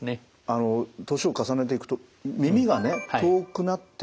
あの年を重ねていくと耳がね遠くなって聞きづらい